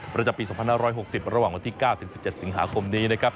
ประจำปี๒๕๖๐ระหว่างวันที่๙ถึง๑๗สิงหาคมนี้นะครับ